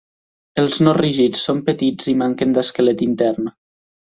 Els no rígids són petits i manquen d'esquelet intern.